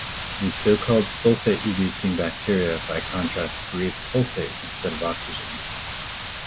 The so-called sulfate-reducing bacteria, by contrast, "breathe sulfate" instead of oxygen.